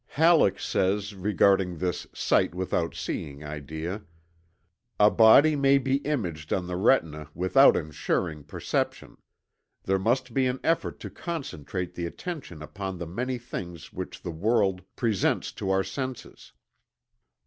Halleck says regarding this "sight without seeing" idea: "A body may be imaged on the retina without insuring perception. There must be an effort to concentrate the attention upon the many things which the world presents to our senses.